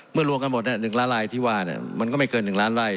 เมื่อรวมกันหมดเนี่ยหนึ่งล้านลายที่ว่านี่มันก็ไม่เกินหนึ่งล้านลาย